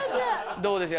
どうでしょう？